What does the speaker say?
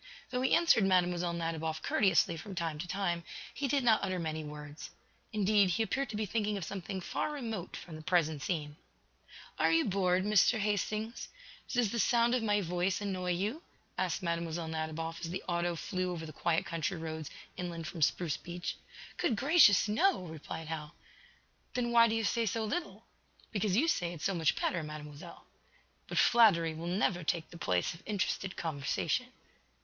Though he answered Mlle. Nadiboff courteously from time to time, he did not utter many words. Indeed, he appeared to be thinking of something far remote from the present scene. "Are you bored, Mr. Hastings? Does the sound of my voice annoy you?" asked Mlle. Nadiboff, as the auto flew over the quiet country roads inland from Spruce Beach. "Good gracious, no!" replied Hal. "Then why do you say so little?" "Because you say it so much better, Mademoiselle." "But flattery will never take the place of interested conversation."